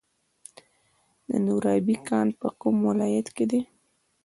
د نورابې کان په کوم ولایت کې دی؟